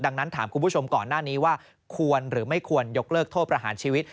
ดังนั้นถามคุณผู้ชมก่อนหน้านี้ว่าควรหรือไม่ควรยกเลิกโทษประหารชีวิต